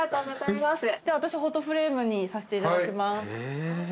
私フォトフレームにさせていただきます。